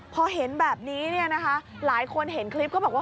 พอเห็นแบบนี้หลายคนเห็นคลิปก็บอกว่า